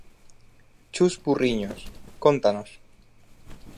Chus Purriños, cóntanos.